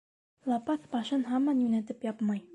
Лапаҫ башын һаман йүнәтеп япмай.